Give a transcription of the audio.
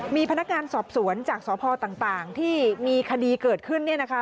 มีพนักงานสอบสวนจากสอบพอต่างที่มีคดีเกิดขึ้นเนี่ยนะคะ